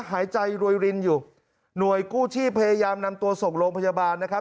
หายใจรวยรินอยู่หน่วยกู้ชีพพยายามนำตัวส่งโรงพยาบาลนะครับ